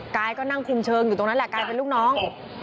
กายก็นั่งคุมเชิงอยู่ตรงนั้นแหละกลายเป็นลูกน้อง